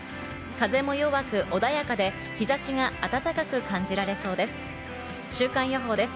風も弱く穏やかで日差しが暖かく感じられそうです。